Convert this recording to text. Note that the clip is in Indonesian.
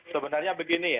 sebenarnya begini ya